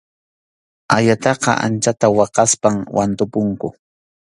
Ayataqa anchata waqaspam wantupunku.